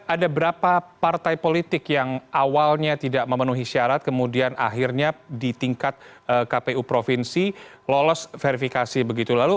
ada berapa partai politik yang awalnya tidak memenuhi syarat kemudian akhirnya di tingkat kpu provinsi lolos verifikasi begitu